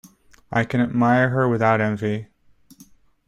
I can admire her without envy.